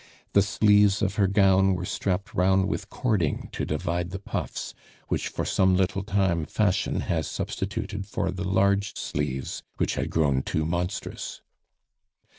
The sleeves of her gown were strapped round with cording to divide the puffs, which for some little time fashion has substituted for the large sleeves which had grown too monstrous.